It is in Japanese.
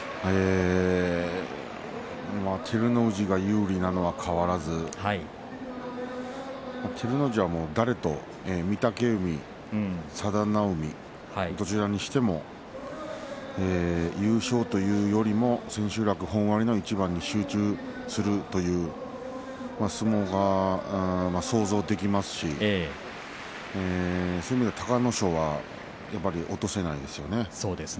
照ノ富士が有利なのは変わらず照ノ富士は御嶽海、佐田の海どちらにしても優勝というよりも千秋楽本割の一番に集中するという相撲が想像できますしそういう意味では隆の勝はやっぱり落とせないですよね。